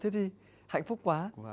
thế thì hạnh phúc quá